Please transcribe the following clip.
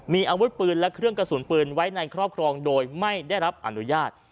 มีอาวุธปืนและเครื่องกระสุนปืนไว้ในครอบครองโดยไม่ได้รับอนุญาต